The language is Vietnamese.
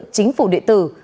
chính phủ địa tử